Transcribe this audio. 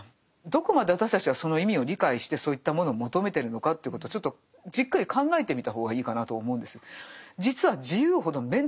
どこまで私たちはその意味を理解してそういったものを求めてるのかということをちょっとじっくり考えてみた方がいいかなと思うんです。